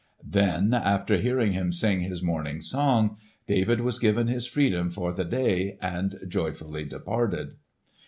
Then after hearing him sing his morning song, David was given his freedom for the day and joyfully departed.